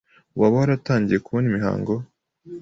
waba waratangiye kubona imihango